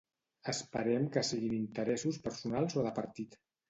Esperem que siguin interessos personals o de partit.